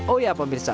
oh ya pembersihan